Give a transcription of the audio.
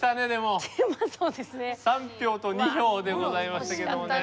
３票と２票でございましたけれどもね。